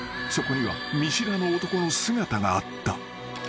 ［そこには見知らぬ男の姿があった］